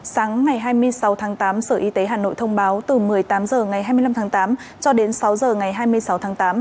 sáng ngày hai mươi sáu tháng tám sở y tế hà nội thông báo từ một mươi tám h ngày hai mươi năm tháng tám cho đến sáu h ngày hai mươi sáu tháng tám